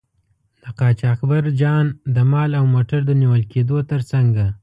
د قاچاقبرجان د مال او موټر د نیول کیدو تر څنګه.